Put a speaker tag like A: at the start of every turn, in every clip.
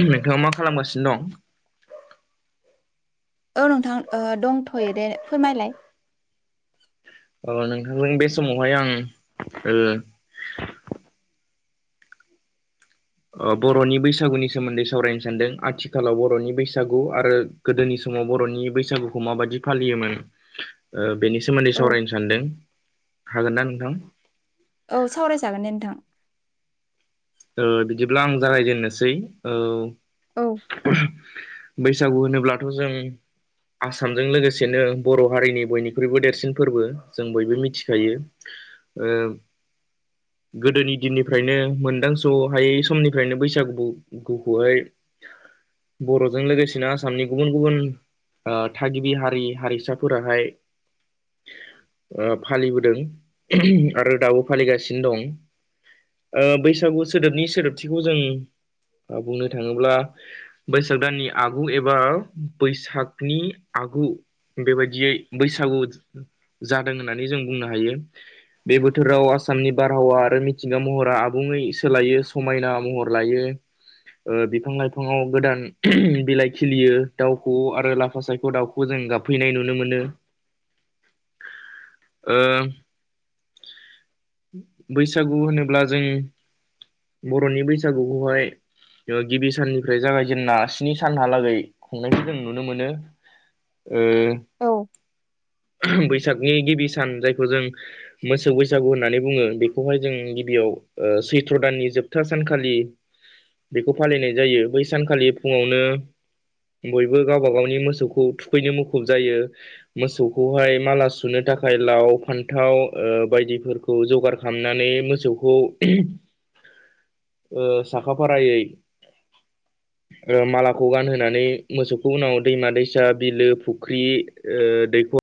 A: नोंथाङा मा खालामगासिनो दं?
B: औ नोंथां दंथ'यो दे। फोरमायलाय
A: अ नोंथांजों बे समावहाय आं ओ बर'नि बैसागुनि सोमोन्दै सावरायनो सानदों आथिखालाव बर'नि बैसागु आरो गोदोनि समाव बर'नि बैसागुखौ माबायदि फालियोमोन
B: [inaudible]
A: ओ बेनि सोमोन्दै
B: औ
A: सावरायनो सानदों हागोन ना नोंथां!
B: औ सावरायजागोन दे नोंथां
A: बिदिब्ला आं जागायजेननोसै औ
B: औ
A: [unintelligible] बैसागु होनोब्लाथ' जों आसामजों लोगोसेनो बर' हारिनि बयनिख्रुइबो देरसिन फोरबो जों बयबो मिथिखायो गोदोनि दिननिफ्रायनो मोनदां ज' हायै समनिफ्रायनो बैसागुखौहाय बर'जों लोगोसेनो आसामनि गुबुन गुबुन थागिबि हारि हारिसाफोराहाय ओ फालिबोदों आरो दाबो फालिगासिनो दं। बैसागु सोदोबनि सोदोबथिखौ जों बुंनो थाङोब्ला बैसाग दाननि आगु एबा बैसागनि आगु बेबायदियै बैसागु जादों होननानै जों बुंनो हायो। बे बोथोराव आसामनि बारहावा आरो मिथिंगा महरा आबुङै सोलायो समायना महर लायो। ओ बिफां लाइफाङाव गोदान बिलाइ खिलियो दाउ खौवौ आरो लाफा सायखौ दाउखौ खौ जों गाबफैनाय नुनो मोनो।
B: [inaudible]
A: ओ बैसागु होनोब्ला जों बर'नि बैसागु खौहाय ओ गिबि साननिफ्राय जागायजेनना स्नि सानहालागै खुंनायखौ जों नुनो मोनो।
B: [inaudible]
A: ओ
B: औ
A: बैसाग नि गिबि सान जायखौ जों मोसौ बैसागु होननानै बुङो बेखौहाय जों गिबियाव ओ सैथ्र दाननि जोबथा सानखालि बेखौ फालिनाय जायो बै सानखालि फुङावनो बयबो गावबा गावनि मोसौखौ थुखैनो मुखुब जायो। मोसौखौहाय माला सुनो थाखाय लाव फान्थाव ओ बायदिफोरखौ खौ जगार खालामनानै मोसौखौ ओ साखा फारायै
B: [unintelligible]
A: ओ मालाखौ गानहोनानै मोसौखौ उनाव दैमा दैसा बिलो फुख्रि ओ दैखर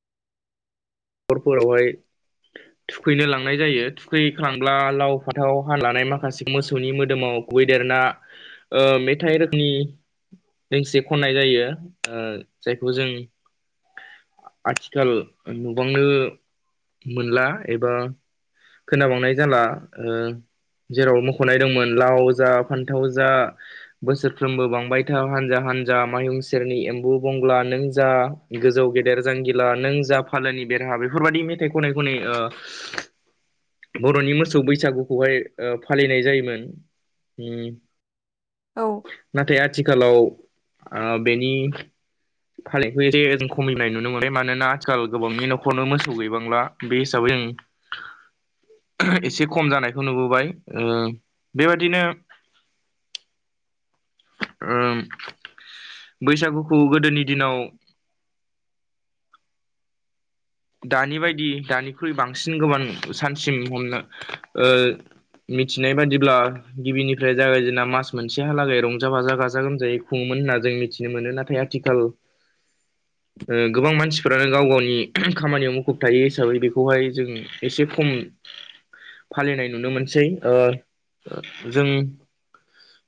A: खरफोरावहाय थुखैनो लांनाय जायो थुखैखांब्ला लाव फान्थाव हाना लानाय माखासे मोसौनि मोदोमाव खुबैदेरना ओ मेथाइ रोखोमनि दोंसे खननाय जायो ओ जायखौ जों आथिखाल नुबांनो मोनला एबा खोनाबांनाय जाला ओ जेराव मख'नाय दंमोन लाव जा फान्थाव जा बोसोरफ्रोमबो बांबाय था हानजा हानजा मायहुं सेरनि एम्बु बंगला नों जा गोजौ गेदेर जांगिला नों जा फालोनि बेरहा बेफोरबादि मेथाइ खनै खनै ओ बर'नि मोसौ बैसागुखौहाय ओ फालिनाय जायोमोन उ।
B: औ
A: नाथाय आथिखालाव ओ बेनि [unintelligible] जों खमायनाय नुनो मोनबाय मानोना आथिखाल गोबांनि न'खरनो मोसौ गैबांला बे हिसाबै जों एसे खम जानायखौ नुबोबाय ओ बेबादिनो ओम बैसागुखौ गोदोनि दिनाव दानि बायदि दानिख्रुइ बांसिन गोबां सानसिम हमनो ओ मिथिनाय बादिब्ला गिबिनिफ्राय जागायजेना मास मोनसेहालागै रंजा बाजा गाजा गोमजायै खुङोमोन होनना जों मिथिनो मोनो नाथाय आथिखाल
B: [inaudible]
A: ओ गोबां मानसिफोरा गाव गावनि खामानियाव मुखुब थायो हिसाबै बेखौहाय जों एसे खम फालिनाय नुनो मोनसै ओ जों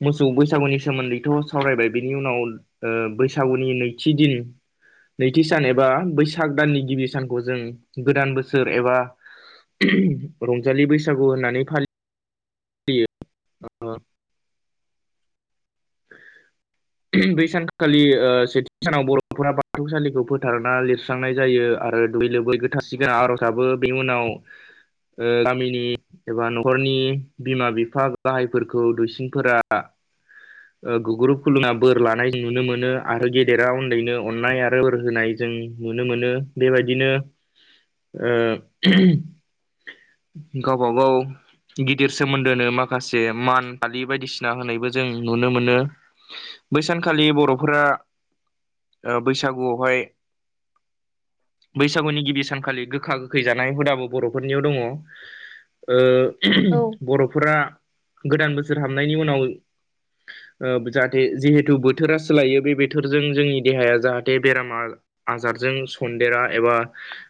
A: मोसौ बैसागुनि सोमोन्दैथ' सावरायबाय बिनि उनाव ओ बैसागुनि नैथि दिन नैथि सान एबा बैसाग दाननि गिबि सानखौ जों गोदान बोसोर एबा रंजालि बैसागु होननानै फालि [inaudible]
B: [inaudible]
A: बै सानखालि ओ सेथि सानाव बर'फोरा बाथौसालिखौ फोथारना लिरस स्रांनाय जायो आरो दुगै लोबै गोथारसिगो आर'ज गाबो बेनि उनाव गामिनि। एबा न'खरनि बिमा बिफा गाहायफोरखौ दुइसिनफोरा गुग्रु फुलुङा बोर लानाय नुनो मोनो आरो गेदेरा उन्दैनो अननाय आरो बोर होनाय। जों नुनो मोनो बेबायदिनो गावबा गाव गिदिर सोमोन्दोनो माखासे मान फालि बायदिसिना होनायबो जों। नुनो मोनो बैसानखालि बर'फोरा बैसागुआवहाय। बैसागुनि गिबि सानखालि गोखा गोखै जानाय हुदाबो बर'फोरनियाव दङ। ओ बर'फोरा गोदान बोसोर हाबनायनि उनाव जाहाथे जिहेतु बोथोरा सोलायो बे बोथोरजों जोंनि देहाया जाहाथे बेरामा आजारजों सनन्देरा एबा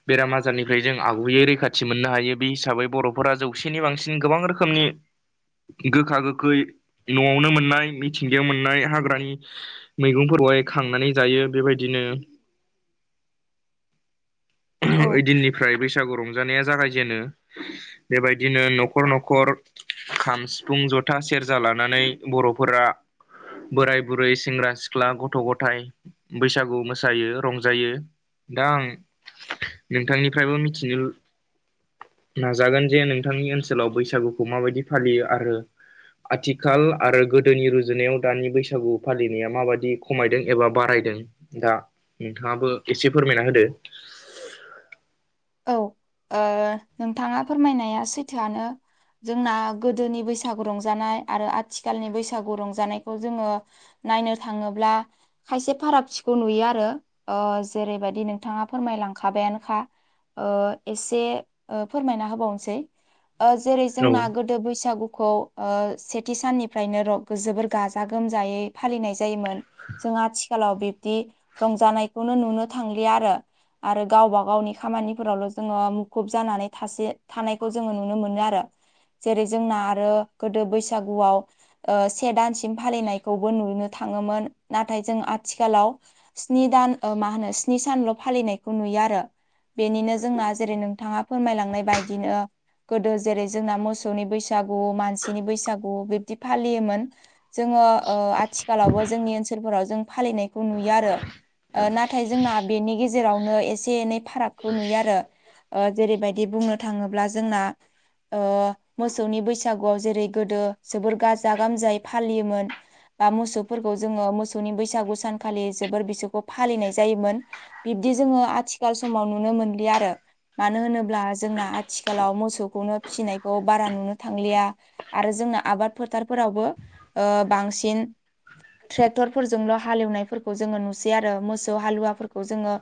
A: बेराम आजारनिफ्राय जों आगुयै रैखाथि मोननो हायो बे हिसाबै बर'फोरा जौसेनि बांसिन गोबां रोखोम। रोखोमनि गोखा गोखै न'आवनो मोन मोननाय मिथिंगायाव मोननाय हाग्रानि। मैगंफोरखौहाय खांनानै जायो बेबायदिनो
B: [inaudible] औ औ
A: ओइदिननिफ्राय बैसागु रंजानाया जागायजेनो बेबायदिनो न'खर न'खर खाम सिफुं जथा सेरजा लानानै। बर'फोरा बोराय बुरै सेंग्रा सिख्ला गथ' गथायाइ बैसागु मोसायो रंजायो। दा आं नोंथांनिफ्रायबो मिथिनो नाजागोन जे नोंथांनि ओनसोलाव बैसागुखौ माबायदि फालियो आरो आथिखाल आरो गोदोनि रुजुनायाव दानि बैसागु फालिनाया माबायदि खमायदों एबा बारायदों दा नोंथाङाबो एसे फोरमायना होदो।
B: औ ओ नोंथाङा फोरमायनाया सैथोआनो जोंना गोदोनि बैसागु रंजानाय आरो आथिखालनि बैसागु रंजानायखौ जोङो नायनो थाङोब्ला खायसे फारागथिखौ नुयो आरो जेरैबायदि नोंथाङा फोरमायलांखाबायानोखा। ओ एसे फोरमायना होबावनोसै जेरै
A: औ
B: जोंना गोद गोदो बैसागुखौ सेथि साननिफ्रायनो जोबोर गाजा गोमजायै फालिनाय जायोमोन जों आथिखालाव बे। बिदि रंजानायखौनो नुनो थांलि आरो आरो गावबा गावनि खामानि। फोरावल' जोङो मुखुब जानानै थासे थानायखौ जोङो नुनो मोनो आरो जेरै जोंना आरो गोदो बैसागुआव से दानसिम फालिनायखौबो नुनो थाङोमोन नाथाय जों आथिखालाव। स्नि दान मा होनो स्नि सानल' फालिनायखौ नुयो आरो बेनिनो जोंना जेरै नोंथाङा फोरमायलांनाय बायदिनो गोदो जेरै जोंना मोसौनि बैसागु मानसिनि बैसागु बिब्दि फालियोमोन। जोङो आथिखालावबो जोंनि ओनसोलफोराव जों फालिनायखौ नुयो आरो। नाथाय जोंना बेनि गेजेरावनो एसे एनै फाराग खौ नुयो आरो जेरैबायदि बुंनो थाङोब्ला जोंना। ओ मोसौनि बैसागुआव जेरै गोदो जोबोर गाजा गोमजायै फालियोमोन। बा मोसौफोरखौ जोंङो मोसौनि बैसागु सानखालि जोबोर बिसोरखौ फालिनाय जायोमोन बिब्दि जोङो आथिखाल समाव नुनो मोनलिया आरो मानो होनोब्ला जोंना आथिखालाव मोसौखौनो फिसिनायखौ बारा नुनो थांलिया आरो जोंना आबाद फोथारफोरावबो ओ बांसिन ट्रेक्टरफोरजोंल' हालेवनायफोरखौ जोङो नुसै आरो मोसौ हालुवाफोरखौ जोङो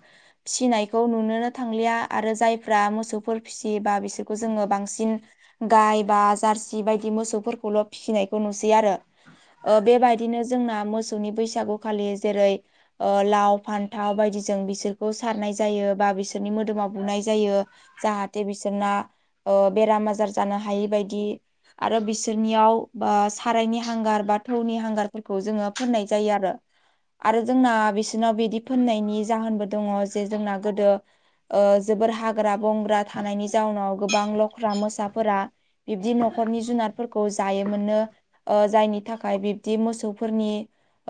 B: फिसिनायखौ नुनो थांलिया आरो जायफ्रा मोसौफोर फिसियोबा बिसोरखौ जोंङो बांसिन गाय बा जारसि बायदि मोसौफोरखौल' फिसिनायखौ नुसै आरो ओ बेबायदिनो जोंना मोसौनि बैसागुखालि जेरै - ओ लाव फान्थाव बायदिजों बिसोरखौ सारनाय जायो बा बिसोर। बिसोरनि मोदोमाव बुनाय जायो जाहाथे बिसोरना ओ बेराम आजार जानो हायि बादि आरो बिसोरनियाव बा सारायनि हांगार बा थौनि हांगारफोरखौ जोंङो फोननाय जायो आरो आरो जोंना बिसोरनाव बिदि फोननायनि जाहोनबो दङ' जे जोंना गोदो ओ जोबोर हाग्रा बंग्रा थानायनि जाउनाव गोबां लख्रा मोसाफोरा बिब्दि न'खरनि जुनादफोरखौ जायोमोननो ओ जायनि थाखाय बिब्दि मोसौफोरनि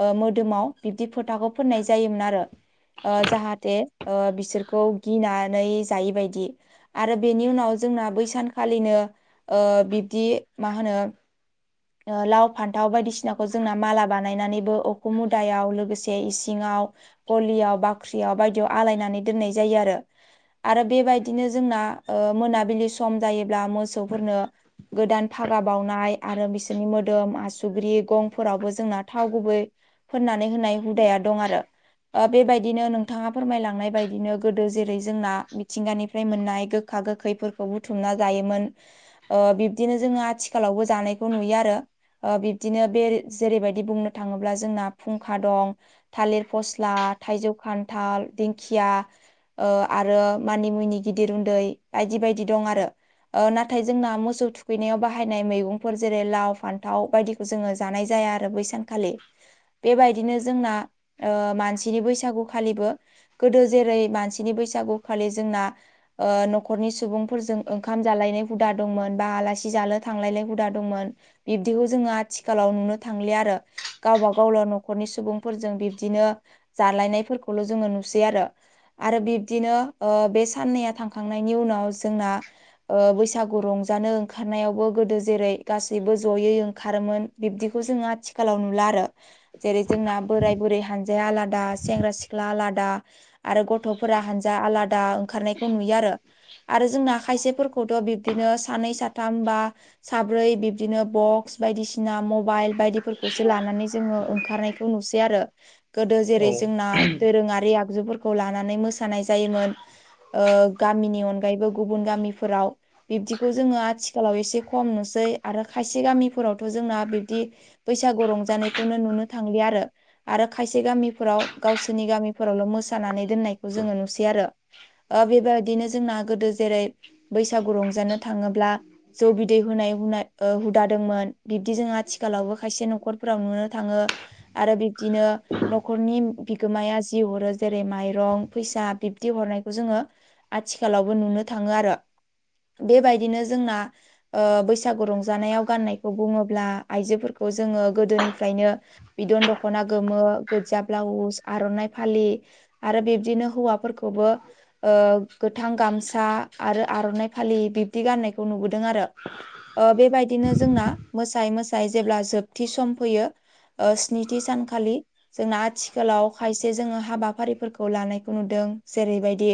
B: ओ मोदोमाव बिब्दि फोथाखौ फोननाय जायोमोन आरो ओ जाहाथे ओ बिसोर खौ गिनानै जायैबायदि आरो बेनि उनाव जोंना बैसानखालिनो ओ बिब्दि मा होनो ओ लाव फान्थाव बायदिसिनाखौ जोंना माला बानायनानैबो अखुम मुदायाव लोगोसे इसिङाव गलियाव बाख्रियाव बायदियाव आलायनानै दोननाय जायो आरो आरो बेबायदिनो जोंना ओ मोनाबिलि सम जायोब्ला मोसौफोरनो गोदान फागा बावनाय आरो बिसोरनि मोदोम आसुग्रि गंफोरावबो जोंना थाव गुबै फोननानै होनाय हुदाया दं आरो ओ बेबायदिनो नोंथांङा फोरमायलांनाय बायदि बिदिनो गोदो जेरै जोंना मिथिंगानिफ्राय मोननाय गोखा गोखैफोरखौ बुथुमना जायोमोन। ओ बिब्दिनो जोंङो आथिखालावबो जानायखौ नुयो आरो ओ बिब्दिनो बेरे जेरैबायदि बुंनो थांङोब्ला जोंना फुंखा दं। थालिर फस्ला थाइजौ खान्थाल दिंखिया ओ आरो मानि मुनि गिदिर उन्दै बायदि बायदि दं आरो ओ नाथाय जोंना मोसौ थुखैनायाव बाहायनाय मैगंफोर जेरै लाव फान्थाव बायदि जोंङो जानाय जाया आरो बैसानखालि बेबायदिनो जोंना ओ मानसिनि बैसागुखालिबो गोदो जेरै मानसिनि बैसागुखालि जोंना ओ न'खरनि सुबुंफोरजों ओंखाम जालायनाय हुदा दंमोन बा आलासि जालो थांलायलाय हुदा दंमोन बिब्दिखौ जोंङो आथिखालाव नुनो थांलिया आरो गावबा गावल न'खरनि सुबुंफोरजों बिब्दिनो जालायनायफोरखौल' जोंङो नुसै आरो आरो बिब्दिनो बे साननैया थांखांनायनि उनाव जोंना ओ ओबैसागु रंजानो ओंखारनायावबो गोदो जेरै गासैबो जयै ओंखारोमोन। बिब्दिखौ जोंङो आथिखालाव नुला आरो जेरै जोंना बोराय बुरै हानजाया आलादा सेंग्रा सिख्ला आलादा आरो गथ'फोरा हानजा आलादा ओंखारनायखौ नुयो आरो आरो जोंना खायसेफोरखौथ' बिब्दिनो सानै साथाम बा साब्रै बिब्दिनो बक्स बायदिसिना मबाइल बायदि फोरखौसो लानानै जोंङो ओंखारनायखौ नुसै आरो गोदो
A: औ
B: जेरै जोंना दोरोंङारि आगजुफोरखौ लानानै मोसानाय जायोमोन। ओ गामिनि अनगायैबो गुबुन गामिफोराव बिब्दिखौ जोंङो आथिखालाव एसे खम नुसै आरो खायसे गामिफोरावथ' जोंना बिब्दि बैसागु रंजानायखौनो नुनो थांलिया आरो आरो खायसे गामिफोराव गावसोरनि गामिफोरावल' मोसानानै दोननायखौ जोंङो नुसै आरो ओ बेबायदिनो जोंना गोदो जेरै बैसागु रंजानो थांङोब्ला जौ बिदै होनाय हुनाय ओ हुदा दोंमोन बिब्दि जों आथिखालावबो खायसे न'खरफोराव नुनो थांङो आरो बिब्दिनो न'खरनि बिगोमाया जि हरो जेरै माइरं फैसा बिब्दि हरनायखौ जोंङो आथिखालावबो नुनो थाङो आरो। बेबायदिनो जोंना। ओ बैसागु रंजानायाव गाननायखौ बुंङोब्ला आइजोफोरखौ जोंङो गोदोनिफ्रायनो बिदन दख'ना गोमो, गोजा ब्लाउस, आर'नाइ फालि आरो बिब्दिनो हौवाफोरखौबो ओ गोथां गामसा आरो आर'नाइ फालि बिब्दि गान्नायखौ नुबो दों आरो। ओ बेबायदिनो जोंना मोसायै मोसायै जेब्ला जोबथि सम फैयो ओ स्निथि सानखालि जोंना आथिखालाव खायसे जोङो हाबा फारिफोरखौ लानायखौ नुदों जेरैबायदि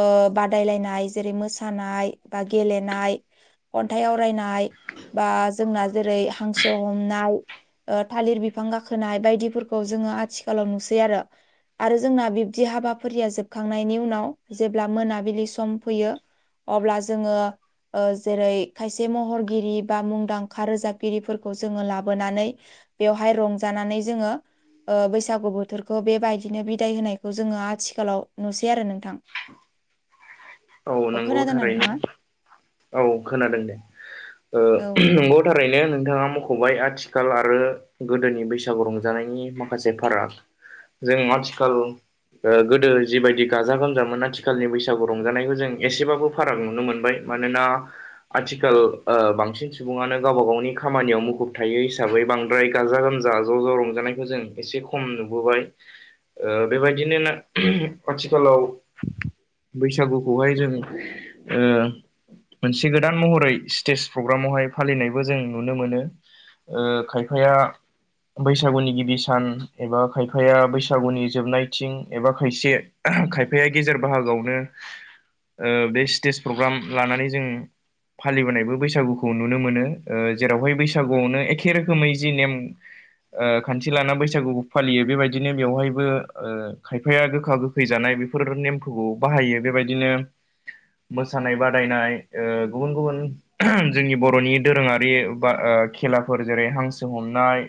B: ओ बादायलायनाय जेरै मोसानाय बा गेलेनाय खन्थाइ आवरायनाय बा जोंना जेरै हांसो हमनाय ओ थालिर बिफां गाखोनाय बायदिफोरखौ जोङो आथिखालाव नुसै आरो। आरो जोंना बिब्दि हाबाफारिया जोबखांनायनि उनाव जेब्ला मोनाबिलि सम फैयो अब्ला जोङो ओ जेरै खायसे महरगिरि बा मुंदांखा रोजाबगिरिफोरखौ जोङो लाबोनानै बेवहाय रंजानानै जोङो ओ बैसागु बोथोरखौ बेबाय बिदिनो बिदाय होनायखौ जोङो आथिखालाव नुसै आरो नोंथां।
A: औ
B: अ
A: नोंगौ
B: खोनादोंना
A: थारैनो,
B: नोंथाङा
A: औ खोनादों दे, ओ
B: औ
A: नंगौ थारैनो नोंथाङा मख'बाय आथिखाल आरो गोदोनि बैसागु रंजानायनि माखासे फाराग जों आथिखाल ओ गोदो जिबायदि गाजा गोमजामोन आथिखालनि बैसागु रंजानायखौ जों एसेबाबो फाराग नुनो मोनबाय। मानोना आथिखाल ओ बांसिन सुबुङानो गावबा गावनि खामानियाव मुखुब थायो हिसाबै बां फ्राय गाजा गोमजा ज' ज' रंजानायखौ जों एसे खम नुबोबाय। ओ बेबायदिनो [unintelligible] आथिखालाव बैसागु खौहाय जों ओ मोनसे गोदान महरै स्टेज प्रग्रामावहाय फालिनायबो जों नुनो मोनो। ओ खायफाया बैसागुनि गिबि सान एबा खायफाया बैसागुनि जोबनायथिं एबा खायसे खायफाया गेजेर बाहागोआवनो ओ बे स्टेज प्रग्राम लानानै जोङो फालिबोनायबो बैसागुखौ नुनो मोनो। ओ जेरावहाय बैसागुआवनो एखे रोखोमै जि नेम ओ खान्थि लाना बैसागुखौ फालियो बेबायदिनो बेवहायबो ओ खायफाया गोखा गोखै खै जानाय, बेफोर नेमफोरखौ बाहायो। बेबायदिनो मोसानाय बादायनाय ओ गुबुन गुबुन जोंनि बर'नि दोरोङारि बा ओ खेलाफोर जेरै हांसो हमनाय